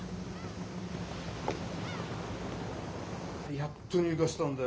やっと入荷したんだよ